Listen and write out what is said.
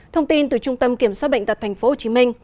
thông tin từ trung tâm kiểm soát bệnh tật tp hcm